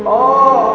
oh oke siap